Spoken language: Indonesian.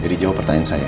jadi jawab pertanyaan saya